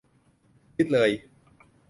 ยึดเลย